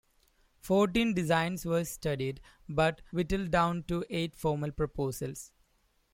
Fourteen designs were studied, but whittled down to eight formal proposals.